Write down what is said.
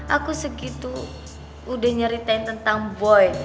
aku segitu udah nyaritain tentang boy